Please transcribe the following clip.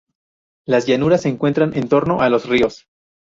Las llanuras se encuentran en torno a los ríos.